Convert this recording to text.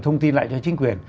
thông tin lại cho chính quyền